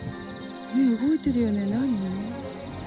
動いてるよね、何？